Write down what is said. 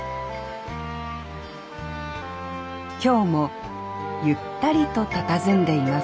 今日もゆったりとたたずんでいます